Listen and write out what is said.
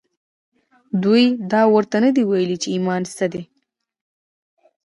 دوی دا ورته نه دي ویلي چې ایمان څه دی